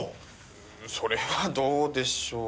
それはどうでしょう。